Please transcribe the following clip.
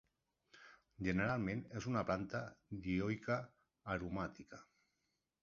Generalment és una planta dioica, aromàtica.